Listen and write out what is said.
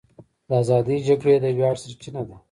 د ازادۍ جګړې د ویاړ سرچینه ده.